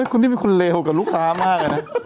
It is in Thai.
คุณนี่มันคุณเลวกว่าลูกค้ามากเลยนะ